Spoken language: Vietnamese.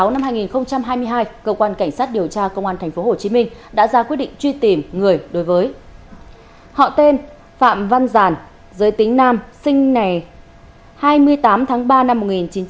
năm hai nghìn hai mươi hai cơ quan cảnh sát điều tra công an tp hcm đã ra quyết định truy tìm người đối với họ tên phạm văn giàn giới tính nam sinh ngày hai mươi tám tháng ba năm một nghìn chín trăm bảy mươi